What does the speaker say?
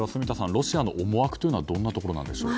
ロシアの思惑というのはどんなところなんでしょうか。